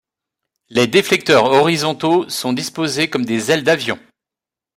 Les déflecteurs horizontaux sont disposés comme des ailes d'avion.